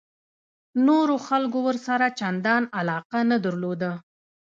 نورو خلکو ورسره چندان علاقه نه درلوده.